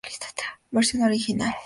Versión original